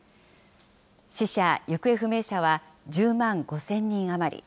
死者・行方不明者は１０万５０００人余り。